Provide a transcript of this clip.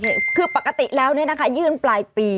คือปกติแล้วเนี่ยนะคะยื่นปลายปี